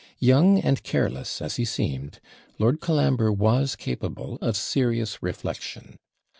Young and careless as he seemed, Lord Colambre was capable of serious reflection.